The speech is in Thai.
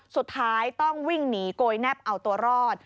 สุดท้ายต้องวิ่งหนีโกยแนบเอาตัวรอด